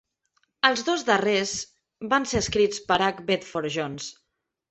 Els dos darrers van ser escrits per H. Bedford-Jones.